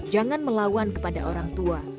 jangan melawan kepada orang tua